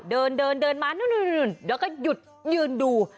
เดินเดินมานู่นแล้วก็หยุดยืนดู